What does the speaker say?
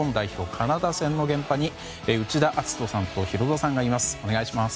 カナダ戦の現場に内田篤人さんとヒロドさんがいます。